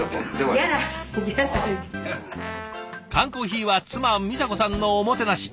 缶コーヒーは妻美佐子さんのおもてなし。